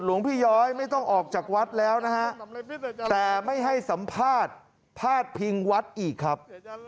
หลวงพี่ย้อยไม่ต้องออกจากวัดแล้วนะฮะแต่ไม่ให้สัมภาษณ์พาดพิงวัดอีกครับ